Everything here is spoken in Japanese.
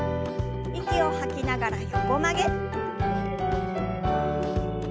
息を吐きながら横曲げ。